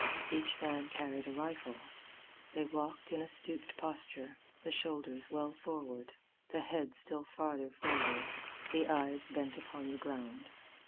Each man carried a rifle. They walked in a stooped posture, the shoulders well forward, the head still farther forward, the eyes bent upon the ground.